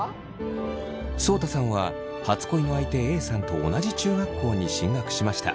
そうたさんは初恋の相手Ａさんと同じ中学校に進学しました。